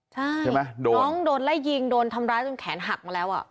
ใช่น้องโดนไล่ยิงโดนทำร้ายจนแขนหักมาแล้ว